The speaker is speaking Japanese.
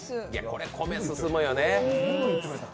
これ、米進むよね。